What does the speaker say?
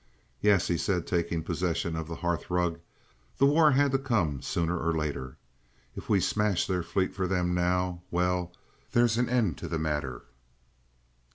"Yes," he said, taking possession of the hearthrug, "the war had to come sooner or later. If we smash their fleet for them now; well, there's an end to the matter!"